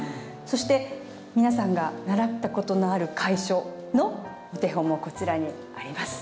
そして皆さんが習った事のある楷書のお手本もこちらにあります。